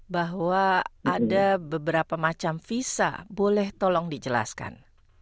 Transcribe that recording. bahwa ada beberapa macam visa boleh tolong dijelaskan